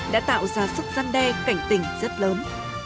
đã tạo ra sức gian đe cảnh tình rất lớn